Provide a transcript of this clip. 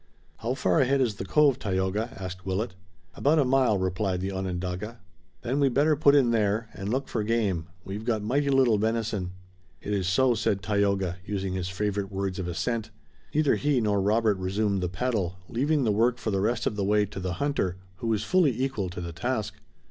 "How far ahead is the cove, Tayoga?" asked Willet. "About a mile," replied the Onondaga. "Then we'd better put in there, and look for game. We've got mighty little venison." "It is so," said Tayoga, using his favorite words of assent. Neither he nor Robert resumed the paddle, leaving the work for the rest of the way to the hunter, who was fully equal to the task.